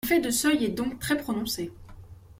L’effet de seuil est donc très prononcé.